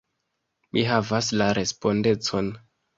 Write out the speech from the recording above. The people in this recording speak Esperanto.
Mi havas la respondecon!